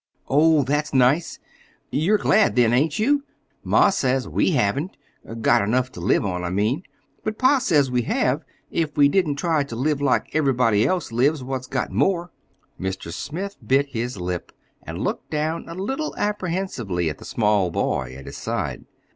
"Oh, that's nice. You're glad, then, ain't you? Ma says we haven't—got enough ter live on, I mean; but pa says we have, if we didn't try ter live like everybody else lives what's got more." Mr. Smith bit his lip, and looked down a little apprehensively at the small boy at his side.